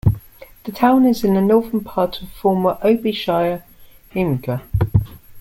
The town is in the northern part of the former Obi Shire, Himuka.